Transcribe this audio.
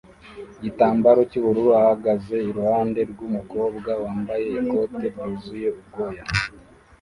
gitambaro cy'ubururu ahagaze iruhande rw'umukobwa wambaye ikote ryuzuye ubwoya